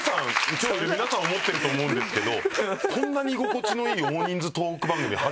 今日いる皆さん思ってると思うんですけどこんなに居心地のいい大人数トーク番組初めてです。